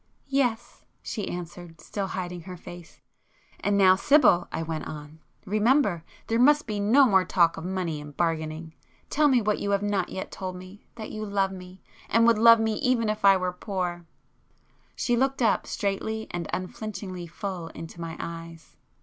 "Yes," she answered, still hiding her face. "And now Sibyl," I went on—"remember,—there must be [p 206] no more talk of money and bargaining. Tell me what you have not yet told me,—that you love me,—and would love me even if I were poor." She looked up, straightly and unflinchingly full into my eyes.